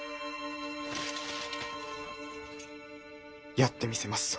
やってみせますぞ